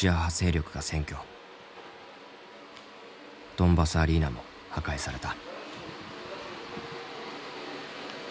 ドンバスアリーナも破壊された。